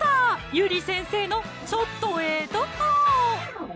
ゆり先生のちょっとええとこ！